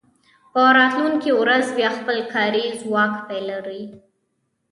په راتلونکې ورځ بیا خپل کاري ځواک پلوري